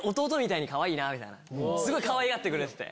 すごいかわいがってくれてて。